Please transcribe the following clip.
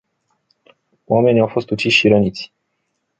Oameni au fost uciși și răniți.